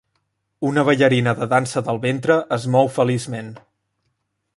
Una ballarina de dansa del ventre es mou feliçment.